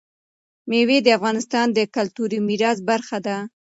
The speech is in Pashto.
مېوې د افغانستان د کلتوري میراث برخه ده.